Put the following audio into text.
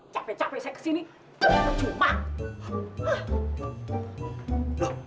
capek capek saya ke sini berjumat